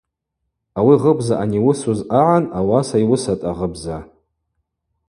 Ауи гъыбза аниуысуз агӏан ауаса йуысатӏ агъыбза.